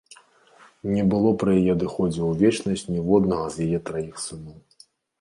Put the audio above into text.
Не было пры яе адыходзе ў вечнасць ніводнага з яе траіх сыноў.